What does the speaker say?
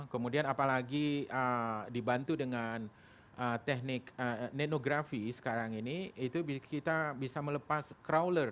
kemudian apalagi dibantu dengan teknik nenografi sekarang ini itu kita bisa melepas crowler